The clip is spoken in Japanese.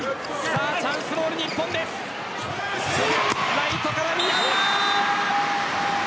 ライトから宮浦！